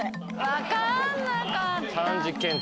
分かんなかった。